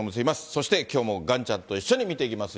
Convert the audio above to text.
そしてきょうもがんちゃんと一緒に見ていきます。